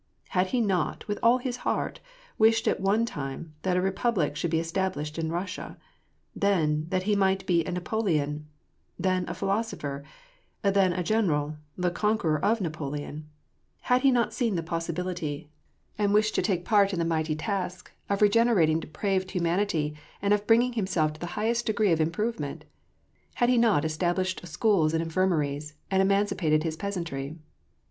Had he not, with all his heart, wished at one time that a re public should be established in Russia ? then, that he might be a Napoleon ? then, a philosopher ? then, a general, the conqueror of Napoleon ? Had he not seen the possibility, and wished WAR AND PEACE. g09 to take part in the mighty task, of regenerating depraved hu manity, and of bringing himself to the highest degree of improvement ? Had he not established schools and infirma ries, and emancipated his peasantry